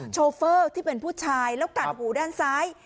โชเฟอร์ที่เป็นผู้ชายแล้วกันหูด้านซ้าย